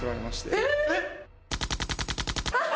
えっ？